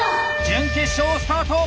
準決勝スタート！